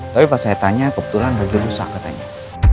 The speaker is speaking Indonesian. tapi pas saya tanya kebetulan mobil rusak katanya